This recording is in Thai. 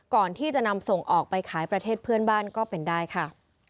ก่อนที่จะนำส่งออกไปขายประเทศเพื่อนบ้านก็เป็นได้ค่ะ